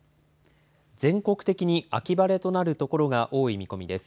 全国的に秋晴れとなるところが多い見込みです。